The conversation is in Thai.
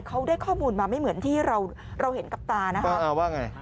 เขาได้ข้อมูลมาไม่เหมือนที่เราเราเห็นกับตานะคะว่าไง